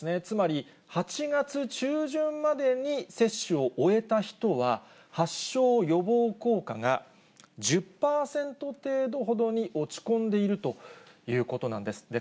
つまり、８月中旬までに接種を終えた人は、発症予防効果が１０％程度ほどに落ち込んでいるということなんです。